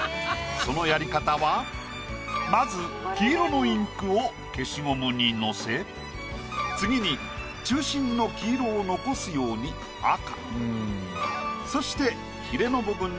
そのやり方はまず黄色のインクを消しゴムに乗せ次に中心の黄色を残すように赤。